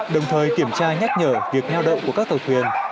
đồng thời kiểm tra nhắc nhở việc neo đậu của các tàu thuyền